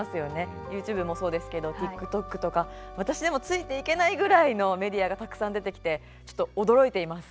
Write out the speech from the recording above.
ＹｏｕＴｕｂｅもそうですけどＴｉｋＴｏｋとか私でもついていけないぐらいのメディアがたくさん出てきてちょっと驚いています。